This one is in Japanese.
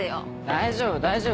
大丈夫大丈夫。